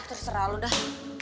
terserah lo dah